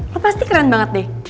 lo pasti keren banget deh